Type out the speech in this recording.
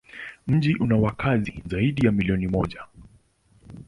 Mji una wakazi zaidi ya milioni moja.